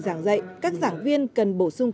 giảng dạy các giảng viên cần bổ sung